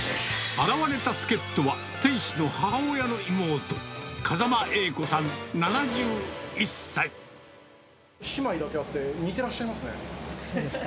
現れた助っ人は、店主の母親姉妹だけあって、似てらっしそうですか？